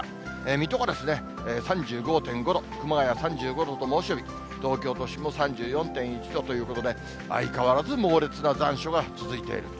水戸が３５．５度、熊谷３５度と猛暑日、東京都心も３４．１度ということで、相変わらず猛烈な残暑が続いていると。